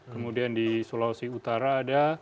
kemudian di sulawesi utara ada